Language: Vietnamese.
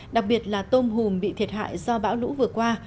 đặc biệt là tôm hùm bị thiệt hại do bão lũ vừa qua